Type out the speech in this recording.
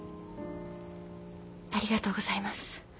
ありがとうございます。